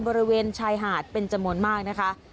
บริเวณชายหาดเป็นจำนวนมากนะคะ